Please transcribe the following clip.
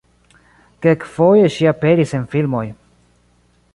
Kelkfoje ŝi aperis en filmoj.